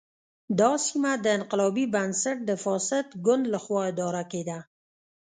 دا سیمه د انقلابي بنسټ د فاسد ګوند له خوا اداره کېده.